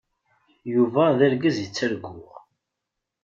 Yuba d argaz i ttarguɣ.